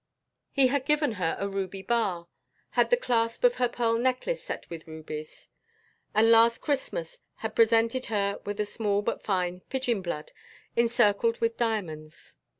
He had given her a ruby bar, had the clasp of her pearl necklace set with rabies, and last Christmas had presented her with a small but fine "pigeon blood" encircled with diamonds.